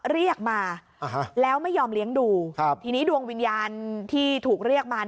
เรียกมาแล้วไม่ยอมเลี้ยงดูทีนี้ดวงวิญญาณที่ถูกเรียกมา